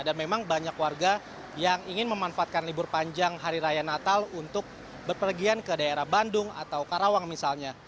dan memang banyak warga yang ingin memanfaatkan libur panjang hari raya natal untuk berpergian ke daerah bandung atau karawang misalnya